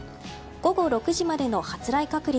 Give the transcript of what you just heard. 午後６時までの発雷確率。